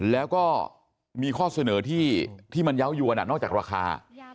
แล้วก็มีข้อเสนอที่มันเยาวยวนนอกจากราคา